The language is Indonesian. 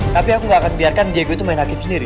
tapi aku gak akan biarkan diego itu main hakim sendiri